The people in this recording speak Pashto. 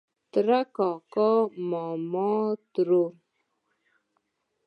ترۀ کاکا ماما ترور